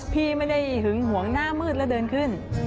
พี่ไม่ได้หึงหวงหน้ามืดแล้วเดินขึ้น